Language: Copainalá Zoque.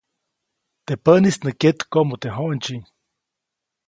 Teʼ päʼnis nä kyetkoʼmu teʼ j̃oʼndsyi.